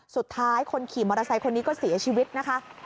สุดท้ายคนขี่มอเตอร์ไซค์คนนี้ก็เสียชีวิตนะคะ